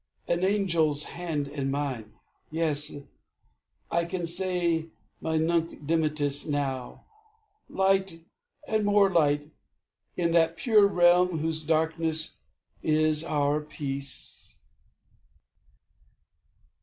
An angel's hand in mine ... yes; I can say My nunc dimittis now ... light, and more light In that pure realm whose darkness is our peace."